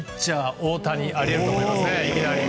大谷あり得ると思いますね。